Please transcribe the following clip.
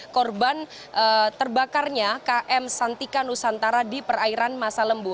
korban terbakarnya km santika nusantara di perairan masa lembu